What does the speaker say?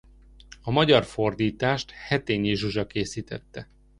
A magyar fordítást Hetényi Zsuzsa készítette.